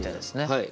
はい。